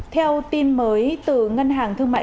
theo tin mới từ ngân hàng thương mại